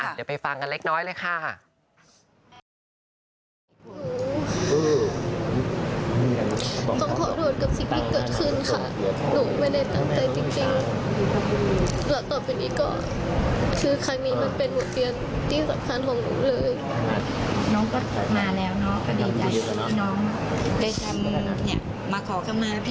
เดี๋ยวไปฟังกันเล็กน้อยเลยค่ะ